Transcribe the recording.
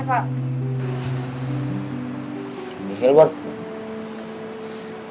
gimana ayah ada yang mau soal boyz n' raff pak